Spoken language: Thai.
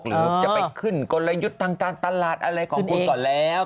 หรือจะไปขึ้นกลยุทธ์ทางการตลาดอะไรของคุณก่อนแล้ว